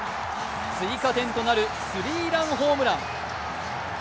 追加点となるスリーランホームラン。